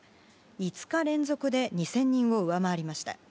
５日連続で２０００人を上回りました。